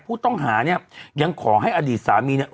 ผู้ต้องหาเนี่ยยังขอให้อดีตสามีเนี่ย